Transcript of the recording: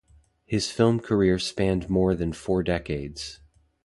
His film career spanned more than four decades.